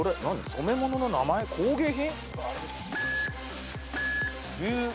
染め物の名前工芸品？